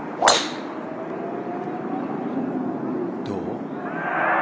どう？